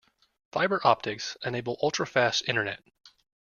Fibre optics enable ultra-fast internet.